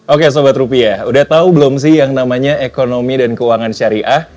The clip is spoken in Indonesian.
oke sobat rupiah udah tahu belum sih yang namanya ekonomi dan keuangan syariah